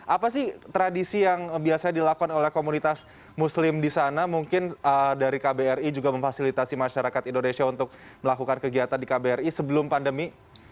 apa sih tradisi yang biasanya dilakukan oleh komunitas muslim di sana mungkin dari kbri juga memfasilitasi masyarakat indonesia untuk melakukan kegiatan di kbri sebelum pandemi